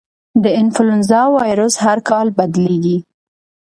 د انفلوېنزا وایرس هر کال بدلېږي.